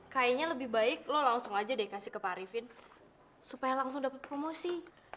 kayaknya lebih baik lo langsung aja deh kasih ke pak arifin supaya langsung dapat promosi